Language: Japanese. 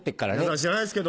知らないですけど。